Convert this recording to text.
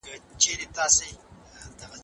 که تاسي په وخت ویده شئ نو سهار به ورزش ته ویښ شئ.